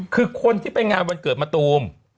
คือคนที่ไปงานวันเกิดมะตูม